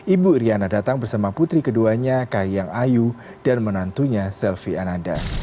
ibu iryana datang bersama putri keduanya kahiyang ayu dan menantunya selvi ananda